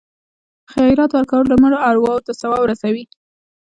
خیرات کول د مړو ارواو ته ثواب رسوي.